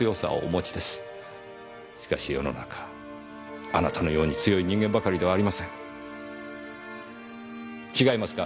しかし世の中あなたのように強い人間ばかりではありません。違いますか？